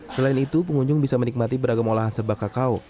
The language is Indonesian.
selain itu pengunjung bisa menikmati beragam olahan serba kakao